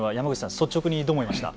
率直にどう思いましたか。